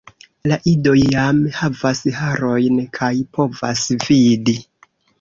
La idoj jam havas harojn kaj povas vidi.